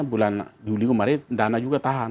bulan juli kemarin dana juga tahan